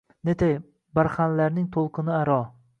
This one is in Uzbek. Netay, barxanlarning to‘lqini aro